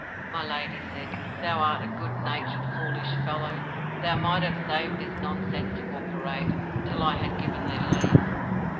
My lady said, Thou'rt a good natured foolish fellow; thou might'st have saved this nonsensical parade, till I had given thee leave.